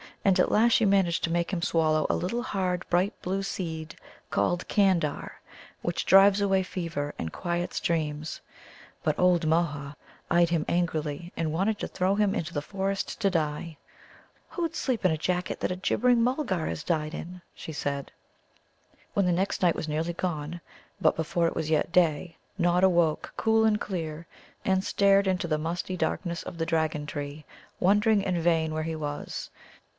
And at last she managed to make him swallow a little hard bright blue seed called Candar, which drives away fever and quiets dreams. But old Môha eyed him angrily, and wanted to throw him out into the forest to die. "Who'd sleep in a jacket that a gibbering Mulgar has died in?" she said. When the next night was nearly gone, but before it was yet day, Nod awoke, cool and clear, and stared into the musty darkness of the Dragon tree, wondering in vain where he was.